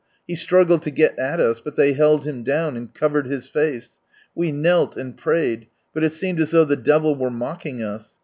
He struggled to get at us, but they held him down, and covered his face. We knelt and prayed, but it seemed as though the devil were mocking us.